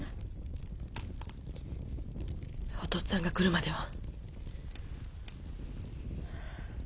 お父っつぁんが来るまでは。